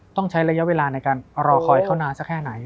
ต้องใช้ระยะเวลาในการรอคอยเขานานสักแค่ไหน